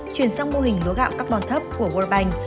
chuyển sang mô hình lúa gạo carbon thấp của world bank